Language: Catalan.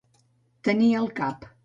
Tenir al cap.